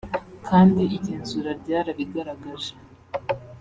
kandi igenzura ryarabigaragaje